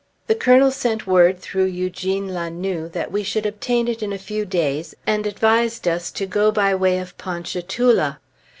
The Colonel sent word through Eugene La Noue that we should obtain it in a few days, and advised us to go by way of Ponchatoula.